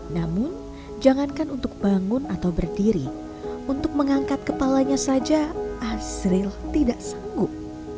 namun jangankan untuk bangun atau berdiri untuk mengangkat kepalanya saja azril tidak sanggup